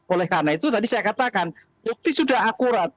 oleh karena itu tadi saya katakan bukti sudah akurat